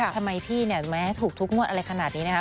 ทำไมพี่เนี่ยแม้ถูกทุกงวดอะไรขนาดนี้นะคะ